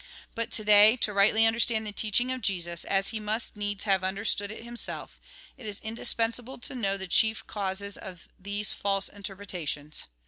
But to day, to rightly understand the teaching of Jesus as he must needs have under stood it himself, it is indispensable to know the chief causes of these false interpretations.